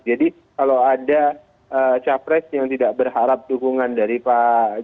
jadi kalau ada capres yang tidak berharap dukungan dari presiden